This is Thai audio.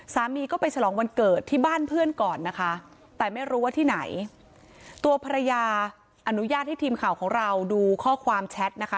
สามีก็ไปฉลองวันเกิดที่บ้านเพื่อนก่อนนะคะแต่ไม่รู้ว่าที่ไหนตัวภรรยาอนุญาตให้ทีมข่าวของเราดูข้อความแชทนะคะ